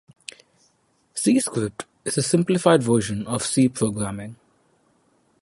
C-Script is a simplified version of C programming.